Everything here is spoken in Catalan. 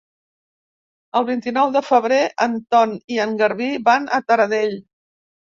El vint-i-nou de febrer en Ton i en Garbí van a Taradell.